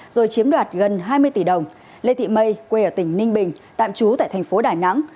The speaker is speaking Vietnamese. rồi chiếm đoạt gần hai mươi tỷ đồng lê thị mây quê ở tỉnh ninh bình tạm trú tại thành phố đà nẵng